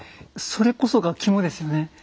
それこそが肝ですよね。